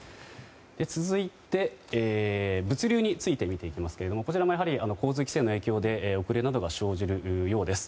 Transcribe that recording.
続いて、物流について見ていきますけどこちらもやはり交通規制の影響で遅れなどが生じるようです。